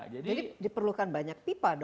jadi diperlukan banyak pipa